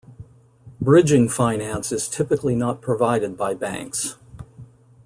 Bridging finance is typically not provided by banks.